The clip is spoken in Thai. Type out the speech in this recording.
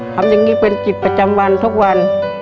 ทำอย่างนี้เป็นจิตประจำวันทุกวัน